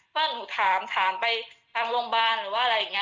ว่าหนูถามถามไปทางโรงพยาบาลหรือว่าอะไรอย่างนี้